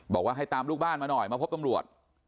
บอกว่าให้ตามลูกบ้านมาหน่อยมาพบตำรวจ